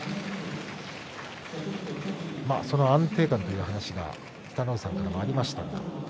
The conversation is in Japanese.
その安定感という話が北の富士さんからありました。